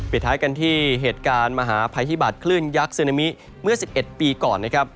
ท้ายกันที่เหตุการณ์มหาภัยพิบัตรคลื่นยักษ์ซึนามิเมื่อ๑๑ปีก่อนนะครับ